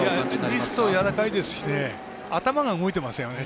リストやわらかいですし頭が動いてますよね。